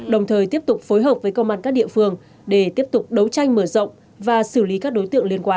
đồng thời tiếp tục phối hợp với công an các địa phương để tiếp tục đấu tranh mở rộng và xử lý các đối tượng liên quan